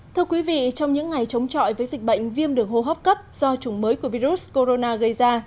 thưa quý vị trong những ngày chống chọi với dịch bệnh viêm đường hô hấp cấp do chủng mới của virus corona gây ra